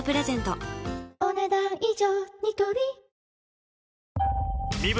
お、ねだん以上。